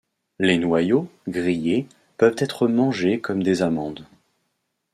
Les noyaux, grillés, peuvent être mangés comme des amandes.